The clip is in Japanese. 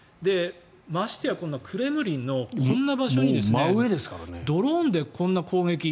ましてやクレムリンのこんな場所にドローンでこんな攻撃。